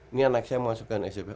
ini anak saya mau masukkan ssb